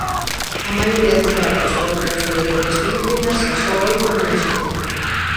A maioría dos barcos foron construídos nas Filipinas e só oito en México.